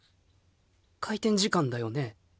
開店時間だよね？